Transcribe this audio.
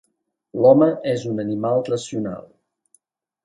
L'home és un animal racional.